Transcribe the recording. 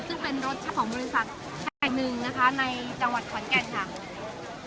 ซึ่งเป็นรถเจ้าของบริษัทแห่งหนึ่งนะคะในจังหวัดขอนแก่นค่ะ